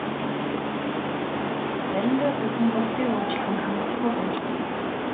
Заримдаа зөвхөн бусдыг уучлах нь хангалтгүй байж болно.